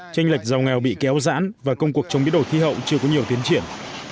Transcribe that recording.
tranh lệch giàu nghèo bị kéo rãn và công cuộc chống biến đổi khí hậu chưa có nhiều tiến triển